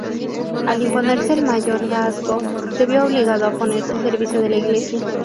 Al imponerse el mayorazgo, se vio obligado a ponerse al servicio de la iglesia.